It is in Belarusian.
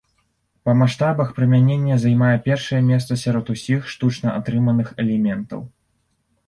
Па маштабах прымянення займае першае месца сярод усіх штучна атрыманых элементаў.